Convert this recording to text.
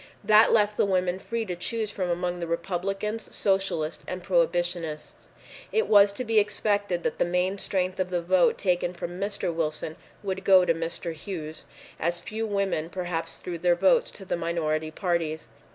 That left the women free to choose from among the Republicans, Socialists and Prohibitionists. It was to be expected that the main strength of the vote taken from Mr. Wilson would go to Mr. Hughes, as few women perhaps threw their votes to the minority parties.